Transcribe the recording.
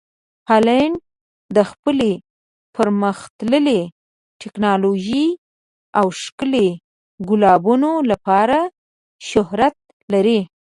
هالنډ د خپلې پرمخ تللې ټکنالوژۍ او ښکلي ګلابونو لپاره شهرت لري.